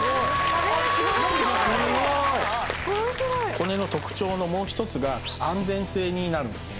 これの特徴のもう１つが安全性になるんですね。